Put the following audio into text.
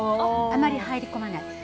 あまり入れ込まない。